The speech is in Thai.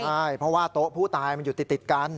ใช่เพราะว่าโต๊ะผู้ตายมันอยู่ติดกัน